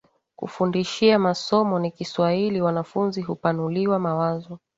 kufundishia masomo ni Kiswahili Wanafunzi hupanuliwa mawazo